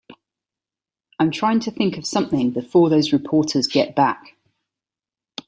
I'm trying to think of something before those reporters get back.